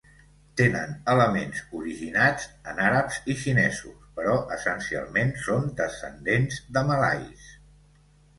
Tenen elements originats en àrabs i xinesos, però essencialment són descendents de malais.